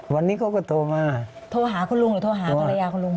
วันนี้เขาก็โทรมาโทรหาคุณลุงหรือโทรหาภรรยาคุณลุง